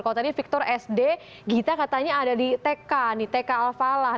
kalau tadi victor sd gita katanya ada di tk nih tk al falah